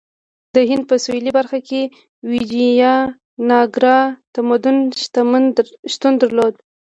د هند په سویلي برخه کې ویجایاناګرا تمدن شتون درلود.